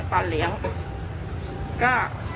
ตอนเลี้ยงก็